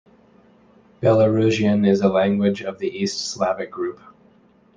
Belarusian is a language of the East Slavic group.